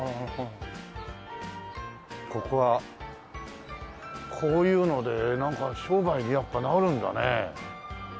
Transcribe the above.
ここはこういうので商売にやっぱなるんだね。